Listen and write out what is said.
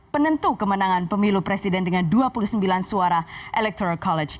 penentu kemenangan pemilu presiden dengan dua puluh sembilan suara electoral college